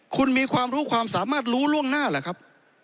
คุณมีความรู้ความสามารถรู้ล่วงหน้าหรือครับ